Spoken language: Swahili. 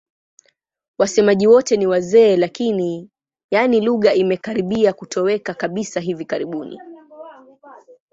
Wasemaji wote ni wazee lakini, yaani lugha imekaribia kutoweka kabisa hivi karibuni.